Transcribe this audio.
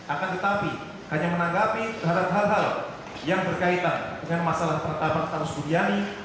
akan tetapi hanya menanggapi hal hal hal yang berkaitan dengan masalah penetapan status buniani